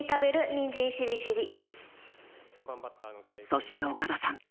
そして岡田さん。